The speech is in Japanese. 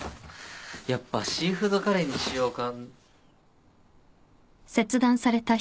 やっぱシーフードカレーにしようか。